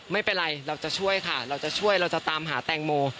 ไม่เป็นไรเราจะช่วยค่ะเราจะช่วยเราจะตามหาแตงโม